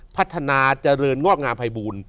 พัฒนาเจริญงอกงามภัยบูล